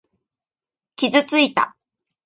傷ついた。